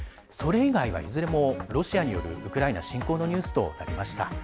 それ以外はいずれもロシアによるウクライナ侵攻のニュースとなりました。